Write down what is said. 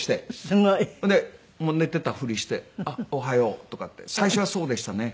すごい。で寝てたふりして「あっおはよう」とかって最初はそうでしたね。